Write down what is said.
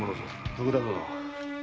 徳田殿。